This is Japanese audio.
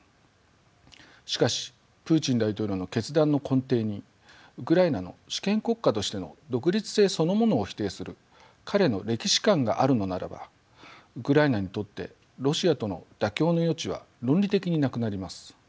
しかしプーチン大統領の決断の根底にウクライナの主権国家としての独立性そのものを否定する彼の歴史観があるのならばウクライナにとってロシアとの妥協の余地は論理的になくなります。